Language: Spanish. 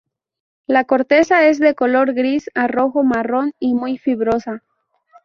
La corteza es de color gris a rojo-marrón y muy fibrosa.